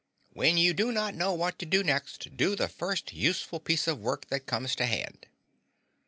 "When you do not know what to do next, do the first useful piece of work that comes to hand."